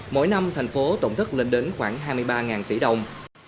mỗi năm tp hcm tổng thức lên đến khoảng hai mươi ba tỷ đồng